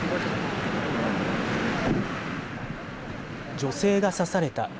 女性が刺された。